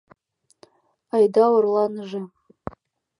Айда орланыже...»